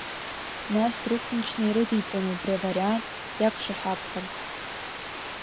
Нас дрықәмчны ирыдиҵон убри авариант иақәшаҳаҭхарц.